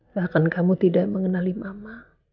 bahkan kamu tidak mengenali mama